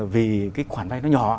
vì cái khoản vay nó nhỏ